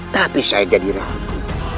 tapi saya jadi ragu